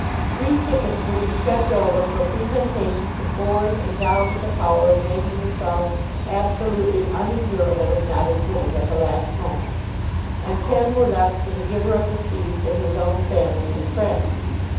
Three tickets were to be kept over for presentation to bores endowed with a power of making themselves absolutely unendurable if not admitted at the last moment, and ten were left for the giver of the feast and his own family and friends.